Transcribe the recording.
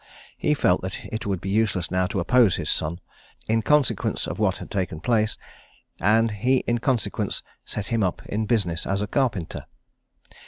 He felt that it would be useless now to oppose his son, in consequence of what had taken place, and he in consequence set him up in business as a carpenter.